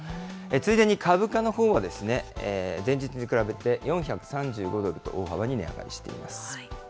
ついでに株価のほうはですね、前日に比べて４３５ドルと大幅に値上がりしています。